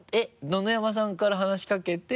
野々山さんから話しかけて。